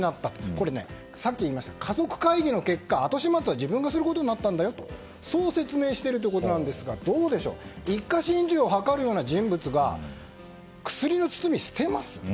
これ、さっき言いました家族会議の結果、後始末は自分がすることになったと説明しているんですがどうでしょう、一家心中を図るような人物が薬の包みを捨てます？